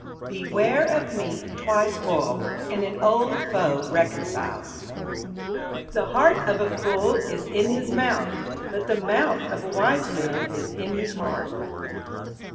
Beware of meat twice boil'd, and an old foe reconcil'd. The heart of a fool is in his mouth, but the mouth of a wise man is in his heart.